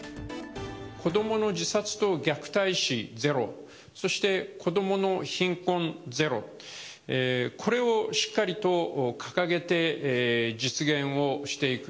子どもの自殺と虐待死ゼロ、そして子どもの貧困ゼロ、これをしっかりと掲げて実現をしていく。